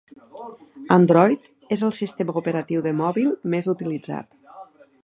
Android és el sistema operatiu de mòbil més utilitzat.